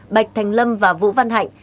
bạch thành lâm và vũ văn hạnh